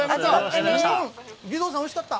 義堂さん、おいしかった。